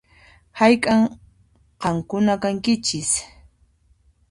Hayk'an qankuna kankichis?